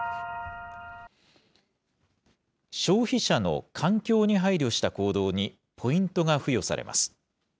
消費者の環境に配慮した行動にポイントが付与されます。